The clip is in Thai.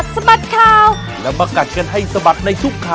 สวัสดีค่ะ